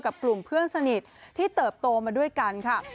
กับกลุ่มเพื่อนสนิทที่เติบโตมาด้วยกันค่ะ